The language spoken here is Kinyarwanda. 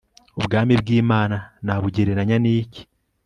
ubwami bw imana nabugereranya n iki